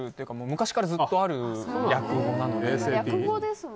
昔からずっとある略語なので。